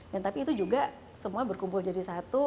dan tapi itu juga semua berkumpul jadi satu